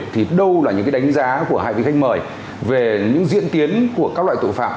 thì đâu là những cái đánh giá của hai vị khách mời về những diễn tiến của các loại tội phạm